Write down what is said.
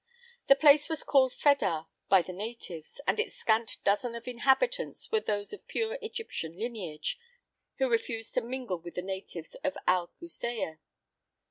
The place was called Fedah by the natives, and its scant dozen of inhabitants were those of pure Egyptian lineage, who refused to mingle with the natives of Al Kusiyeh.